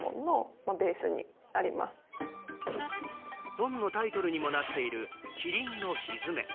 本のタイトルにもなっている、キリンのひづめ。